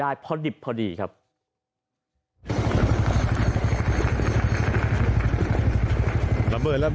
โอ้โหพังเรียบเป็นหน้ากล่องเลยนะครับ